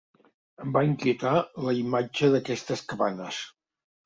Em va inquietar la imatge d’aquestes cabanes.